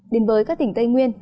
đến với các tỉnh tây nguyên